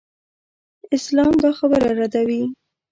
اسلام دا خبره ردوي.